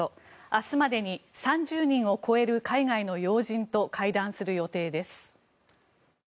明日までに３０人を超える海外の要人と会談する予定です。